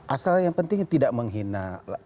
asal yang penting tidak menghina